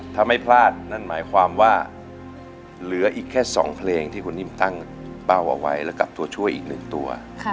ถ้าไม่พลาดนั่นหมายความว่าเหลืออีกแค่๒เพลงที่คุณนิ่มตั้งเป้าเอาไว้แล้วกับตัวช่วยอีก๑ตัว